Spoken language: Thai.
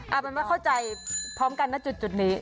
มันว่าเข้าใจพร้อมกันนะจุดนี้